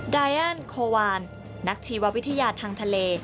ดายอันโควานนักชีววิทยาทางทะเล